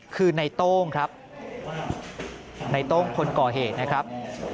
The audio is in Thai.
คือในโต้งครับในโต้งคนก่อเหตุนะครับ